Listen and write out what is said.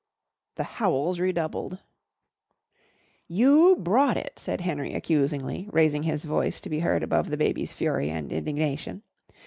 The howls redoubled. "You brought it," said Henry accusingly, raising his voice to be heard above the baby's fury and indignation.